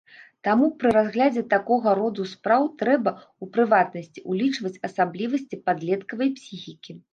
Таму пры разглядзе такога роду спраў трэба, у прыватнасці, улічваць асаблівасці падлеткавай псіхікі.